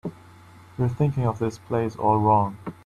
You're thinking of this place all wrong.